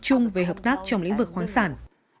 chung về hợp tác trong lĩnh vực khoáng sản